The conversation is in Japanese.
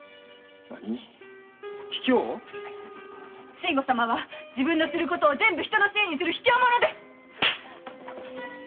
信吾様は自分のすることを全部他人のせいにする卑怯者です！